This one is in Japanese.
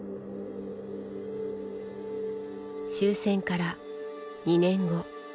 終戦から２年後。